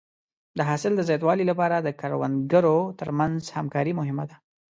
د حاصل د زیاتوالي لپاره د کروندګرو تر منځ همکاري مهمه ده.